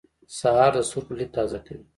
سهار د سترګو لید تازه کوي.